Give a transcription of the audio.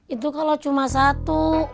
itu kalau cuma satu